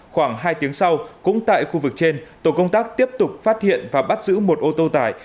khoảng hai tiếng sau cũng tại khu vực trên tổ công tác tiếp tục phát hiện và bắt giữ một ô tô tải